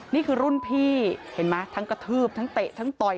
นี่คือรุ่นพี่เห็นไหมทั้งกระทืบทั้งเตะทั้งต่อย